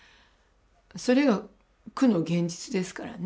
それが苦の現実ですからね